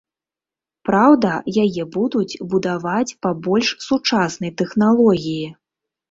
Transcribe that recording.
Праўда, яе будуць будаваць па больш сучаснай тэхналогіі.